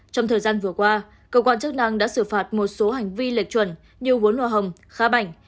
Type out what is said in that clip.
trong thời gian vừa qua cơ quan chức năng đã xử phạt một số hành vi lệch chuẩn như vốn hoa hồng khá bảnh